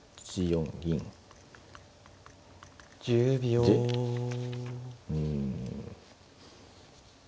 でうん。